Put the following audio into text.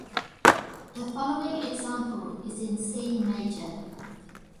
The following example is in C major.